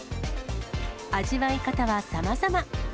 味わい方はさまざま。